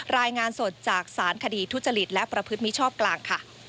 รายงานสดจากสารคดีทุจริตและประพฤติมิชชอบกลางค่ะ